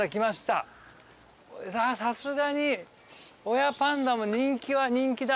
さすがに親パンダも人気は人気だ。